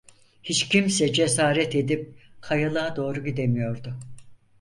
Hiç kimse cesaret edip, kayalığa doğru gidemiyordu.